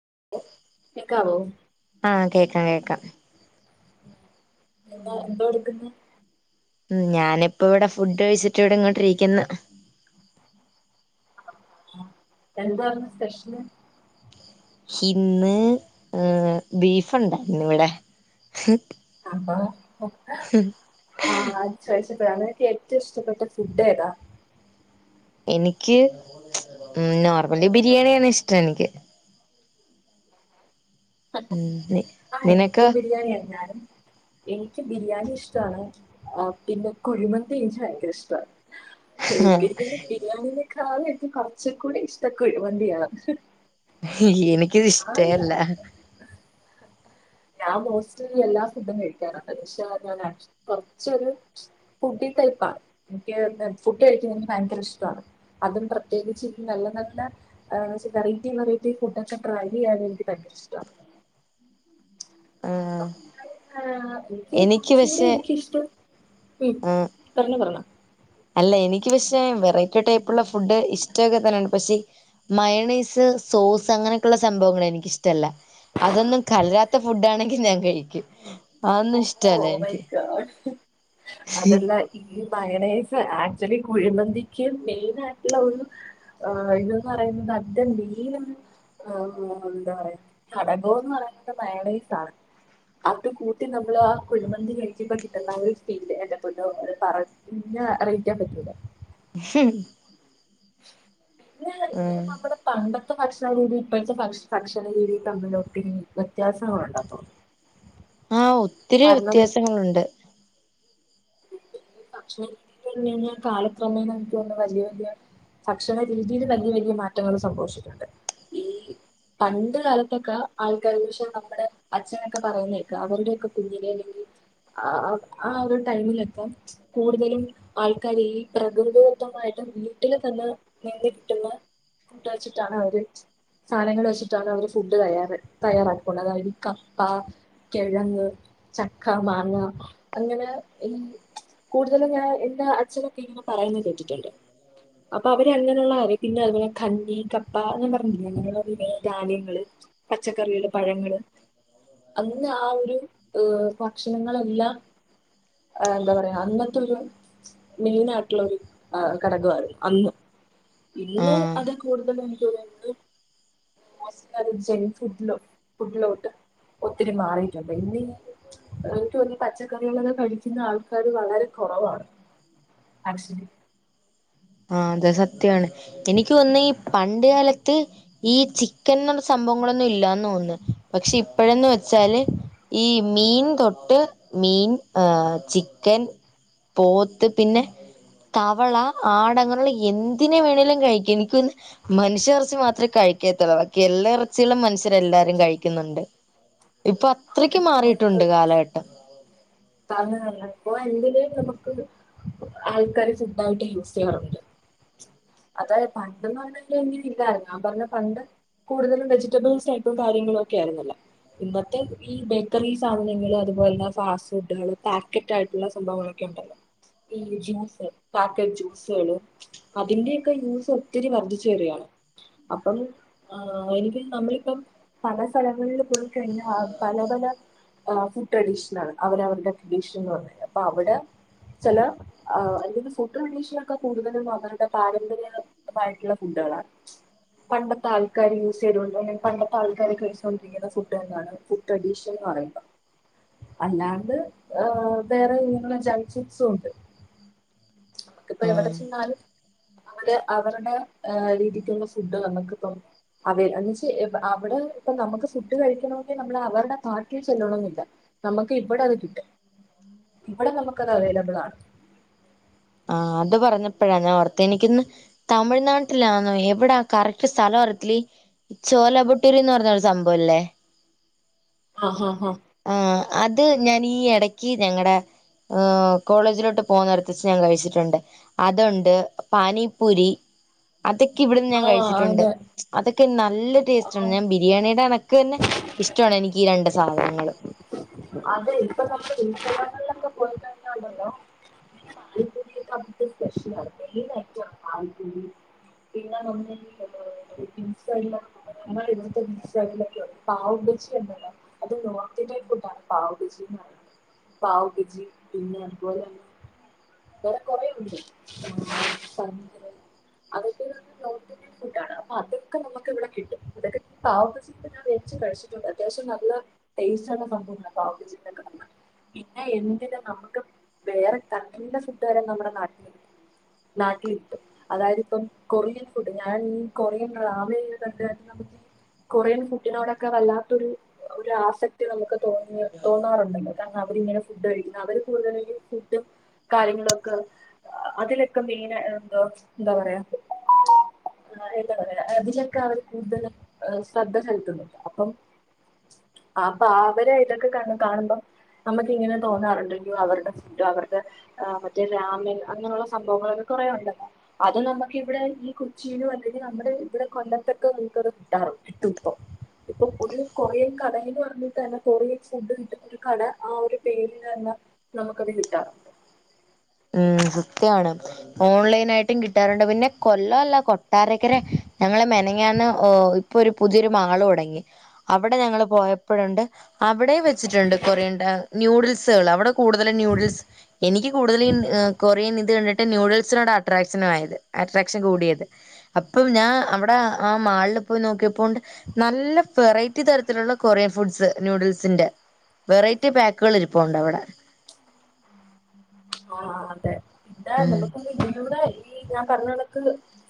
[unintelligible] [unintelligible] കേൾക്കാം എന്താ എന്തോ എടുക്കുന്നെ ഞാനിപ്പോ ഇവിടെ ഫുഡ്‌ കഴിച്ചിട്ട് ഇവിടെ ഇങ്ങോട്ട് ഇരിക്കുന്നു എന്താണ് സ്പെഷ്യൽ ഇന്ന് ഈഹ് ബീഫ് ഉണ്ടാര്ന്ന് ഇവിടെ ആഹ് [unintelligible] [unintelligible] നിനക്ക് ഏറ്റവും ഇഷ്ടപ്പെട്ട ഫുഡ്‌ ഏതാ എനിക്ക് നോർമലി ബിരിയാണിയാണ് ഇഷ്ടം എനിക്ക് ഉം ആഹ് നിനക്കോ എനിക്കും ബിരിയാണി എന്നാലും എ ക്ക് ബിരിയാണി ഇഷ്ടാണ് പിന്നെ കുഴിമന്തി എനിക്ക് ഭയങ്കര ഇഷ്ട എനിക്ക് [unintelligible] പിന്നെ ബിരിയാണിനേക്കാ [unintelligible] എനിക്ക് കുറച്ചുംകൂടി ഇഷ്ടം കുഴിമന്തി ആണ് എനിക്ക് അത് ഇഷ്ട്ടെ അല്ല ഞാൻ മോസ്റ്റ്ലി എല്ലാ ഫുഡും കഴിക്കാറുണ്ട് പക്ഷെ അത് ഞാൻ കുറച്ചൊരു ഫുഡ്‌ ടൈപ്പാണ് എനിക്ക് ഫുഡ് കഴിക്കുന്നത് എനിക്ക് ഭയങ്കര ഇഷ്ടമാണ് അതും പ്രത്യേകിച്ച് നല്ല നല്ല ഈഹ് വെറൈറ്റി വെറൈറ്റി ഫുഡൊക്കെ ട്രൈയ്യാൻ എനിക്ക് ഭയങ്കര ഇഷ്ടാണ് ആഹ് ആ എനിക്ക് കുറച്ചും കൂടി എനിക്കിഷ്ടം ഉം പറഞ്ഞോ പറയണ. അല്ലേ എനിക്ക് പക്ഷേ വെറൈറ്റി ടൈപ്പുള്ള ഫുഡ് ഇഷ്ടമൊക്കെ തന്നെയാണ്, പക്ഷേ മയണീസ്. സോസ് അങ്ങനെയൊക്കെയുള്ള സംഭവങ്ങൾ എനിക്ക് ഇഷ്ടമല്ല. അതൊന്നും കലരാത്ത ഫുഡ് ആണെങ്കിൽ ഞാൻ കഴിക്കും. അതൊന്നും ഇഷ്ടല്ല എനിക്ക് [unintelligible] അതെല്ല ഈ ഫ്രൈ റൈസ് ആക്ച്വലി കുഴിമന്തിക്ക് മെയിൻ ആയിട്ടുള്ള ഒരു ഇതന്ന് പറയുന്നത്. അതണ്ട് ഈ ആ എന്താ പറയ ഘടകോന്ന് പറയുന്നത് മയണീസാ അത്. നമ്മള് ആ കുഴിമന്തി കഴിക്കുമ്പ കിട്ടുന്ന ഒരു ഫീല് എന്റെ പൊന്നോ പറഞ്ഞ് അറിയിക്കാൻ പറ്റൂലാ.. ഹ്. [unintelligible] നമ്മുടെ പണ്ടൊ ഇപ്പ ഭക്ഷണ രീതി ഇപ്പോഴത്തെ ഭക്ഷണ രീതി തമ്മില് ഒത്തിരി വ്യത്യാസങ്ങളുണ്ട് അപ്പൊ. ആ ഒത്തിരി വ്യത്യാസങ്ങളുണ്ട്. [unintelligible] ഭക്ഷണ രീതിയിൽ വലിയ വലിയ മാറ്റങ്ങൾ സംഭവിച്ചിട്ടുണ്ട് ഈ പണ്ട് കാലത്തൊക്കെ ആൾക്കാര് പക്ഷെ നമ്മുടെ അച്ഛനൊക്കെ പറയുന്നകേൾക്ക അവരുടെയൊക്കെ കുഞ്ഞിലെ അല്ലെങ്കിൽ, ആ ആ ആ ഒരു. ടൈമിലൊക്കെ കൂടുതലും ആൾക്കാര് ഈ പ്രകൃതിദത്തമായിട്ട് വീട്ടിൽ തന്നെ. [unintelligible] കിട്ടുന്ന ഫുഡ് വെച്ചിട്ടാണ് അവര്. സാധനങ്ങൾ വെച്ചിട്ടാണ് അവര് ഫുഡ് തയ്യാ തയ്യാറാക്കുന്നത് അതായത് കപ്പ. കിഴങ്ങ്, ചക്ക, മാങ്ങ അങ്ങനെ. കൂടുതലും ഞാൻ എന്റെ അച്ഛനൊക്കെ ഇങ്ങനെ പറയുന്നത് കേട്ടിട്ടുണ്ട്. അപ്പൊ അവര് അങ്ങനെയുള്ള പിന്നെ അതുപോലെ കഞ്ഞി, കപ്പ എന്ന പറഞ്ഞില്ലേ, അങ്ങനെയുള്ള വിന ധാന്യങ്ങള്. പച്ചക്കറികള്. പഴങ്ങള്, അന്ന് ആ ഒരു ഏഹ് ഭക്ഷണങ്ങളെല്ലാം. എന്താ പറയാ അന്നത്തൊരു മെയിനായിട്ടുള്ളൊരു ഘടകമായിരുന്നു അന്നും. ഇന്ന് ആഹ് അതിൽ കൂടുതൽ എനിക്കു വേണ്ടി. [unintelligible] ഫുഡിലോട്ട് ഒത്തിരി മാറിട്ടുണ്ട്. എനിക്ക് തോന്നുന്നു പച്ചക്കറികളൊക്കെ കഴിക്കുന്ന ആൾക്കാര് വളരെ കുറവാണ്. അത് ശരി. ആ അതെ സത്യാണ് എനിക്ക് വന്നി പണ്ട് കാലത്ത് ഈ ചിക്കൻ എന്നുള്ള സംഭവങ്ങളൊന്നും ഇല്ലന്ന് തോന്നുന്നു. പക്ഷെ ഇപ്പോഴന്ന് വെ വച്ചാല് ഈ മീൻ തൊട്ട് മീൻ ആ ചിക്കൻ. പോത്ത് പിന്നെ തവള. ആട് അങ്ങനെയുള്ള എന്തിനെ വേണമേങ്കിലും കഴിക്കാം. എനിക്കൊന്ന് മനുഷ്യ ഇറച്ചി മാത്രമേ കഴിക്കാത്തെ തുള്ളു ബാക്കിയെല്ലാ നല്ല ഇറച്ചികളും മനുഷ്യരെല്ലാരും കഴിക്കുന്നുണ്ട് ഇപ്പൊ അത്രക്ക് മാറിട്ടുണ്ട് കാലഘട്ടം. തന്ന തന്ന അപ്പൊ എന്തില് നമുക്ക് ആൾക്കാര് ഫുഡായിട്ട് യൂസ് ചെയ്യാറുണ്ട്. അത് പണ്ട്ന്ന് പറഞ്ഞ് ഇങ്ങനെ ഇല്ലായിരുന്നു. ഞാൻ പറഞ്ഞ് പണ്ട്. കൂടുതലും വെജിറ്റബിൾസ് ആയിട്ടും കാര്യങ്ങളും ഒക്കെ ആരുന്നല്ലോ. ഇന്നത്തെ ഈ ബേക്കറി സാധനങ്ങൾ അതുപോലെ തന്നെ ഫാസ് ഫുഡുകള് പാക്കറ്റ് ആയിട്ടുള്ള സംഭവങ്ങളൊക്കെ ഉണ്ടല്ലോ. ഈ ജ്യൂസ് പാക്കറ്റ് ജ്യൂസുകളും അതിന്റെക്കെ ജ്യൂസ് ഒത്തിരി വർദ്ധിച്ചു വരിയാണ്. അപ്പം ആ എനിക്ക് നമ്മളിപ്പം പല സ്ഥലങ്ങളിൽ [unintelligible] പല പല ഫുഡ് ട്രഡീഷൻ ആണ് അവരവരുടെ ട്രഡീഷൻ എന്ന് പറഞ്ഞ് അപ്പൊ അവിടെ ചില അല്ലെങ്കിൽ ഫുഡ് ട്രണ്ടീഷനൊക്കെ കൂടുതലും അവരുടെ പാരമ്പര്യമായിട്ടുള്ള ഫുഡ് ട്ട്ള്ള പണ്ടത്തെ ആൾക്കാര് യൂസ് ചെയ്തണ്ട് പണ്ടത്തെ ആൾക്കാര് കഴിച്ചൊണ്ടിരിക്കുന്ന ഫുഡെന്താണ് ട്രഡിഷന് പറയുംമ്പ അല്ലാണ്ട് വേറെ ഇങ്ങുള്ള ജെഗ് ചിപ്സുംണ്ട്. നമക്കിപ്പോ എവിടെ ഉം ചെന്നാലും അവര് അവരുടെ രീതിക്കുള്ള ഫുഡ് നമ്മക്ക് തന്നു അതെ എന്ന് വെച്ച് അവിടെ നമുക്ക് ഫുഡ് കഴിക്കണമെങ്കിൽ നമ്മള് അവരുടെ കാൽകെ ചെല്ലണന്നില്ല നമുക്ക് ഇവിടെ അത് കിട്ടും ഇവിടെ നമുക്ക് അത് അവൈലബിൾ ആണ് ആഹ അത് പറഞ്ഞപ്പോഴാ ഞാൻ ഓർത്തെ എനിക്കിന്ന് തമിഴ്നാട്ടിലാന്നോ എവിടാ കറക്റ്റ് സ്ഥലം ല്ല ചോലപുട്ടൂരിന്ന് പറഞ്ഞൊരു സംഭവംല്ലേ. ആ ആ ആ ആ അത് ഞനീ ഈ ഇടക്ക് ഞങ്ങളടെ കോളേജിലോട്ട് പോകുന്നിട്ടത് വെച്ച് ഞാൻ കഴിച്ചിട്ടുണ്ട് അതുണ്ട്, പാനിപ്പുരി അതൊക്കെ ഇവിടുന്ന് ഞാൻ ആ കഴിച്ചിട്ടുണ്ട് അതെ അതൊക്കെ നല്ല ടേസ്റ്റ് ആ ആണ് ഞാൻ ബിരിയാണിയുടെ ക്കന്നെ ഇഷ്ടമാണ് എനിക്ക് രണ്ട് സാധനങ്ങൾ. അതെ ഇപ്പൊ നമ്മള് [unintelligible] കഴിഞ്ഞാണ്ടല്ലോ [inaudible] [inaudible] [inaudible] പാവ് ബജി എ അത് നോർത്ത് ഇന്ത്യൻ ഫുഡ് ആണ് പാവ് ബജിന്ന് പറയുന്നത്. പാവ് ബെജി പിന്നെ അതുപോലെന്നെ ങ്ങനെ കൊറെണ്ട് [unintelligible] അതൊക്കെ നോർത്ത് ഇന്ത്യൻ ഫുഡ്‌ ആണ് അപ്പ അതൊക്കെ നമുക്ക് ഇവിടെ കിട്ടും അതക്കെ വെച്ച് കഴിച്ചിട്ടുണ്ട് അത്യാവശ്യം നല്ല ടേസ്റ്റ് ആണ് സംഭവ പാവജിക്കെ പിന്നെ എന്തിന് നമുക്ക് വേറെ [unintelligible] ഫുഡ് വരെ നമ്മുടെ നാട്ടില്ണ്ട് നാട്ടിൽ കിട്ടുംമഅതായത് ഇപ്പം കൊറിയൻ ഫുഡ് ഞാൻ ഈ കൊറിയൻ രവിലെ കണ്ട കൊറിയൻ ഫുഡിനോടൊക്കെ വല്ലാത്തൊരു ഒരു ആസക്തി നമുക്ക് തോന്നി തോന്നാറുണ്ടല്ലോ കാരണം അവരിങ്ങനെ ഫുഡ് കഴിക്കുന്ന അവര് കൂടുതലും ഫുഡും കാര്യങ്ങളൊക്കെ അതിലൊക്കെ മെയിൻ എന്തോ എന്താ പറയാ ന്താ പറയാ അതിലൊക്കെ അവർ കൂടുതലും ശ്രദ്ധ ചെലുത്തുന്നുണ്ട് അപ്പം അപ്പൊ അവര് ഇതൊക്കെ കാ കാണുമ്പം നമുക്ക് ഇങ്ങനെ തോന്നാറുണ്ട് അവരുടെ ഫുഡ് അവരുടെ മറ്റേ രാമൻ അങ്ങനെയുള്ള സംഭവങ്ങളൊക്കെ കുറേ ഉണ്ടല്ലോ അത് നമുക്ക് ഇവിടെ ഈ കൊച്ചിയിലും അല്ലെങ്കിൽ നമ്മുടെ ഇവിടെ കൊല്ലത്തൊക്കെ നിങ്ങക്കത് കിട്ടാറുണ്ട് കിട്ടും ഇപ്പം ഇപ്പൊ ഒരു കൊറിയൻ കട എന്ന് പറഞ്ഞിട്ട് തന്നെ കൊറിയൻ ഫുഡ് കിട്ടുന്ന ഒരു കട ആ ഒരു പേരില് തന്നെ നമുക്കത് കിട്ടാറുണ്ട് ഉം കൃത്യാണ് ഓൺലൈൻ ആയിട്ടും കിട്ടാറുണ്ട് പിന്നെ കൊല്ലല്ല കൊട്ടാരക്കരെ ഞങ്ങള് മെനഞ്ഞാന്ന് ഇപ്പൊ ഒരു പുതിയൊരു മാള് തുടങ്ങി അവിടെ ഞങ്ങള് പോയപ്പോഴ്ണ്ട് അവിടെ വെച്ചിട്ടുണ്ട് കൊറേണ്ട നൂഡിൽസുകൾ അവിടെ കൂടുതലും ന്യൂഡിൽസ് എനിക്ക് കൂടുതല്. കൊറിയൻ ഇത് കണ്ടിട്ട് നൂഡിൽസിനോട് അട്രാക്ഷൻ ആയത് അട്രാക്ഷൻ കൂടിയത് അപ്പം ഞാൻ. അവിടെ ആ മാളിൽ പോയി നോക്കിയപ്പോണ്ട് നല്ല വെറൈറ്റി തരത്തിലുള്ള കൊറിയൻ ഫുഡ്സ് നൂഡിൽസ് വെറൈറ്റി പാക്കുകൾ ഇരിപ്പോ ഉണ്ട് അവിടെ ആ അതെ ഉം [unintelligible] ഈ ഞാൻ പറഞ്ഞണക്ക്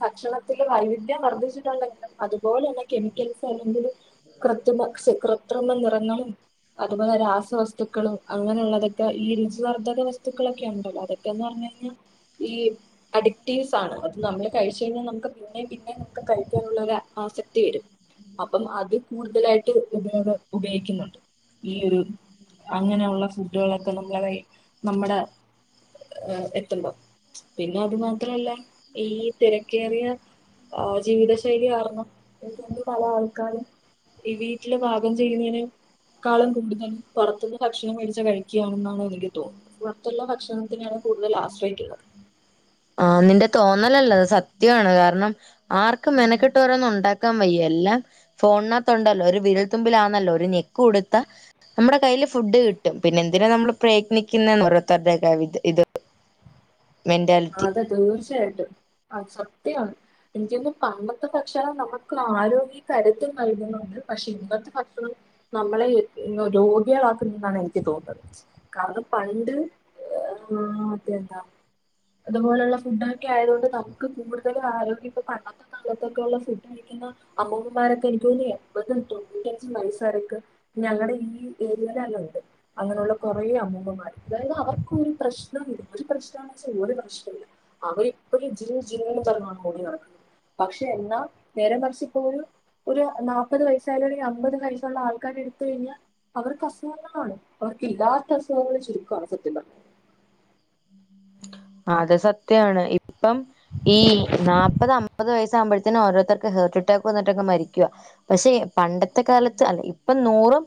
ഭക്ഷണത്തില് വൈവിധ്യം വർദ്ധിച്ചിട്ടുണ്ടെങ്കിലും അതുപോലെ തന്നെ കെമിക്കൽസ് കൃത്രിമ കൃത്രിമ നിറങ്ങളും അതുപോലെ രാസവസ്തുക്കളും അങ്ങനെയുള്ളതൊക്കെ ഈ രുചി വർദ്ധക വസ്തുക്ക [unintelligible] ണ്ട് അതൊക്കെന്ന് പറഞ്ഞ് കഴിഞ്ഞാ ഈ അഡിക്റ്റീവ്സ് ആണ് അത് നമ്മള് കഴിച്ചഴിഞ്ഞാ നമുക്ക് പിന്നേ പിന്നെ നമുക്ക് കഴിക്കാനുള്ള ആസക്തി വരും. അപ്പം അത് കൂടുതലായിട്ട് ഉപയോഗ ഉപയോഗിക്കുന്നുണ്ട് ഈ ഒരു അങ്ങനെയുള്ള ഫുഡുകളൊക്കെ നമ്മളെ വയ് നമ്മുടെ ഏത്തുമ്പോ പിന്നെ അത് മാത്രല്ല ഈ തിരക്കേറിയ ആ ജീവിത ശൈലി കാരണം പല ആൾക്കാരും ഈ വീട്ടില് പാകം ചെയ്യുന്നനെ ക്കാളം കൂടുതൽ പുറത്തുനിന്ന് ഭക്ഷണം മേടിച്ച് കഴിക്കുകയാണെന്നാണ് എനി ക്ക് തോന്ന് പുറത്തുള്ള ഭക്ഷണത്തിനാണ് കൂടുതൽ ആശ്രയിക്കുക ആ നിന്റെ തോന്നലല്ലത് സത്യമാണ് കാരണം ആർക്കും മെനക്കെട്ട് ഓരോന്ന് ഉണ്ടാക്കാൻ വയ്യാ എല്ലാം ഫോണിനത്തുണ്ടല്ലോ ഒരു വിരൽ തുമ്പിലാന്നല്ലോ ഒരു നെക്ക് കൊടുത്താ നമ്മുടെ കയ്യില് ഫുഡ് കിട്ടും പിന്നെ എന്തിനാണ് നമ്മൾ പ്രയത്നിക്കുന്നേ ഓരോത്തരുടെ ഇത് മെന്റാലിറ്റി അതെ തീർച്ചയായിട്ടും അത് സത്യമാണ് എനിക്കൊന്ന് പണ്ടത്തെ ഭക്ഷണം നമുക്ക് ആരോഗ്യ കരുത്തും നൽകുന്നതാണ് പക്ഷെ ഇന്നത്തെ ഭക്ഷണം നമ്മളെ രോഗികളാക്കുന്ന എന്നാണ് എനിക്ക് തോന്നുന്നത് കാരണം പണ്ട് മറ്റേഎന്താ അതുപോലെയുള്ള ഫുഡ് ഒക്കെ ആയതുകൊണ്ട് നമുക്ക് കൂടുതലും ആരോഗ്യം ഇപ്പൊ പണ്ടത്തെക്കാളും ഫുഡ് കഴിക്കുന്ന അമ്മൂമ്മമാരൊക്കെ എനിക്ക് തോന്നുന്നേ എൺപതും തൊണ്ണൂറ്റാഞ്ച് വയസ്സ് വരക്ക് ഈ ഏരിയലല്ലാ അങ്ങനെയുള്ള കുറേ അമ്മൂമ്മമാർ അതായത് അവർക്കു ഒരു പ്രശ്നം പ്രശ്ന വെച്ചാൽ ഒരു പ്രശ്നമില്ല അവരിപ്പോഴും ജില്ല് ജില്ല് എന്ന്‌ പറഞ്ഞാണ് ഓടി നടക്കുണ്ണാത് പക്ഷെ എന്നാ നേരെ മറിച്ച് ഇപ്പോ ഒരു ഒരു നാല്പ്പത് വയസ്സായല്ലെിൽ അമ്പത് വയസ്സുള്ള ആൾക്കാർ എടുത്ത കഴിഞ്ഞാൽ അവർക്ക് അസുഖങ്ങളാണ് അവർക്കില്ലാത്ത അസുഖങ്ങള് ചുരുക്കമാണ് സത്യം പറഞ്ഞ അത് സത്യാണ് ഇപ്പം ഈ നാല്പത് അമ്പത് വയസ്സ് ആകുമ്പോഴത്തേനും ഓരോരുത്തർക്ക് ർട്ട് അറ്റാക്ക് വന്നിട്ടൊക്കെ മരിക്കവാ പക്ഷെ പണ്ടത്തെ കാലത്ത് അല്ല ഇപ്പൊ നൂറും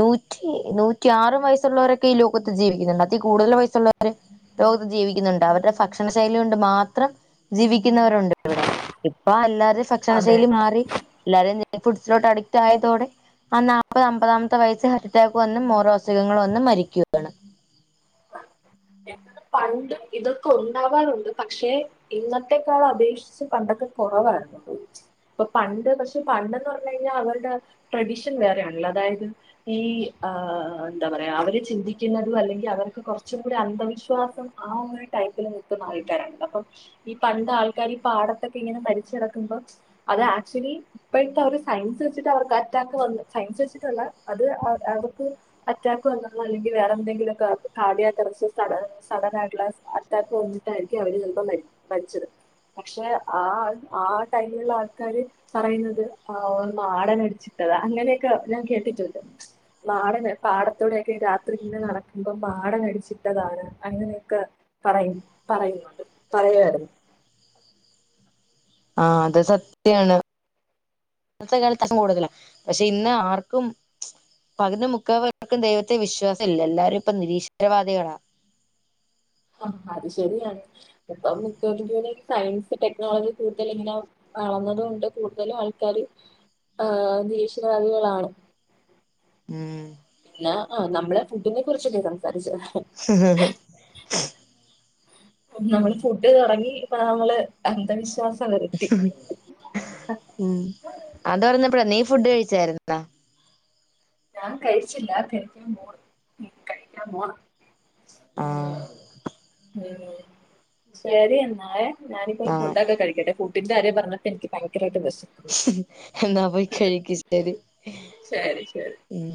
നൂറ്റി നൂറ്റിയാറ് വയസ്സുള്ളവരൊക്കെ ഈ ലോകത്ത് ജീവിക്കുന്നുണ്ട് അതി കൂടുതൽ വയസുള്ളവര് ലോകത്ത് ജീവിക്കുന്നുണ്ട് അവരുടെ ഭക്ഷണ ശൈലി കൊണ്ട് മാത്രം ജീവിക്കുന്നവരുണ്ട് ഇവിടെ ഇപ്പ അല്ലാ അതെ ഭക്ഷണശൈലി മാറി എല്ലാരും ജങ്ക് ഫുഡ് അഡിക്റ്റ് ആയതോടെ ആ നാൽപ്പത് അമ്പതാമത്തെ വയസ്സിൽ ഹാർട്ട് അറ്റാക്ക് വന്നും ഓരോ അസുഖങ്ങൾ ഒന്നു മരിക്കുവയാണ് പണ്ട് ഇതൊക്കെ ഉണ്ടാവാറുണ്ട് പക്ഷെ ഇന്നത്തേക്കാൾ അപേക്ഷിച്ച് പണ്ടൊക്കെ കുറവാണ് പണ്ട് പക്ഷെ പണ്ടന്ന് പറഞ്ഞ് കഴിഞ്ഞാൽ അവരുടെ ട്രഡിഷൻ വേറെ അതായത് ഈ എന്താ പറയാ അവര് ചിന്തിക്കുന്നതു അല്ലെങ്കിൽ അവർകൊറച്ച് ഒരു അന്ധവിശ്വാസം ആ ഒരു ടൈപ്പിൽനിൽക്കുന്ന ആൾക്കാരണ് അപ്പം ഈ പണ്ട് ആൾക്കാര് ഈ പാടത്ത് ഇങ്ങനെ പനിച്ചടക്കുമ്പോൾ അത് ആക്ച്വലി ഇപ്പോഴത്തെ ഒരു സയൻസ് വെച്ചിട്ട് അവർക്ക് അറ്റാക്ക് വന്ന് സയൻസ് വെച്ചിട്ടുല്ല അത് അറ്റാക്ക് വന്നള്ള അല്ലെങ്കിൽ വേറെന്തെങ്കിലൊക്ക കാർഡിയാക് സഡൻ ആയിട്ടുള്ള സാ അറ്റാക്ക് വന്നിട്ടായിരിക്കു അവര് ചിലപ്പോ മരിച്ചത് പക്ഷെ ആ ആ ടൈമുള്ള ആൾക്കാര് പറയുന്നത് ആ മാടൻ അടിച്ചിട്ട് അങ്ങനെയൊക്കെ ഞാൻ കേട്ടിട്ടുണ്ട് മാടനെ പാടത്തോടെക്കെ രാത്രി ഇങ്ങനെ നടക്കുമ്പോ മാടനടിച്ചിട്ടതാണ് അങ്ങനെയൊക്കെ പറയും പറയുന്നുണ്ട് പറയരുന്നു ആ അത് സത്യാണ് ഇന്നത്തെ കാലത്തക്കും കൂടുതലാ പക്ഷെ ഇന്ന് ആർക്കും പകുതി മുക്കാൽ പേർക്കും ദൈവത്തെ വിശ്വാസം ഇല്ല എല്ലാരും ഇപ്പൊ നിരീശ്വരവാദികളാ ആ അത് ശരിയാണ് ഇപ്പ മിക്കവാറും സയൻസ് ടെക്നോളജി കൂടുതൽ ഇങ്ങനെ അള്ളന്നതൊണ്ട് കൂടുതലും ആൾക്കാര് ആ നിരീശ്വരവാദികളാണ് ഉം പിന്നെ ആ നമ്മള് ഫുഡിനെ കുറിച്ചല്ലേ സംസാരി ച്ചേ നമ്മൾ ഫുഡ് കറങ്ങി അപ്പൊ നമ്മള് അന്ധവിശ്വാസം വരുത്തി ഉം അത് പറഞ്ഞപ്പഴാ നീ ഫുഡ് കഴിച്ചായിരുന്നോ ഞാൻ കഴിച്ചില്ല കഴിക്കാൻ പോണ് ഉം കഴിക്കാൻ പോണ് ആ ഉം ശെരി എന്നാലെ ഞാനിപ്പോ ആഹ് ഫുഡൊക്കെ കഴിക്കട്ടെ ഫു ഡിന്റെ കാര്യം പറഞ്ഞപ്പ എനിക്ക് ഭയങ്കരായിട്ട് വെശ് എന്നാ പൊയ് കഴിക്ക് ശെരി ശരി ശരി ഉം